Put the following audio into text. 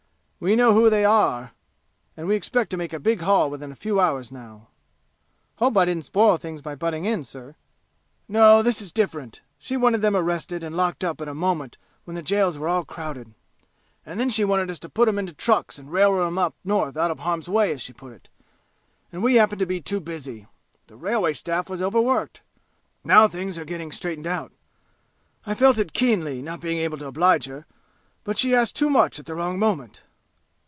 We know who they are, and we expect to make a big haul within a few hours now." "Hope I didn't spoil things by butting in, sir." "No. This is different. She wanted them arrested and locked up at a moment when the jails were all crowded. And then she wanted us to put 'em into trucks and railroad 'em up North out of harm's way as she put it, and we happened to be too busy. The railway staff was overworked. Now things are getting straightened out. I felt it keenly not being able to oblige her, but she asked too much at the wrong moment!